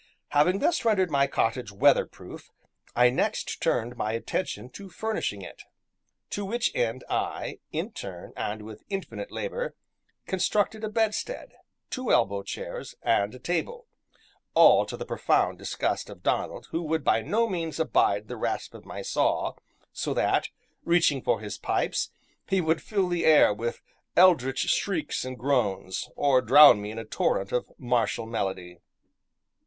Having thus rendered my cottage weather proof, I next turned my attention to furnishing it. To which end I, in turn, and with infinite labor, constructed a bedstead, two elbow chairs, and a table; all to the profound disgust of Donald, who could by no means abide the rasp of my saw, so that, reaching for his pipes, he would fill the air with eldrich shrieks and groans, or drown me in a torrent of martial melody.